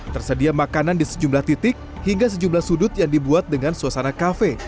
tersedia makanan di sejumlah titik hingga sejumlah sudut yang dibuat dengan suasana kafe